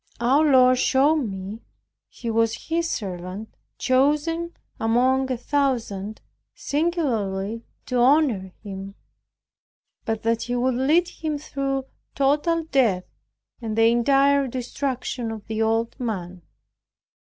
Our Lord showed me he was His servant, chosen among a thousand, singularly to honor Him; but that He would lead him through total death, and the entire destruction of the old man.